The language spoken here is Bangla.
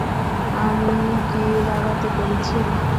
আমি কি লাগাতে পেরেছি?